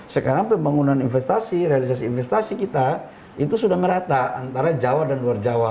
sekarang pembangunan investasi realisasi investasi kita itu sudah merata antara jawa dan luar jawa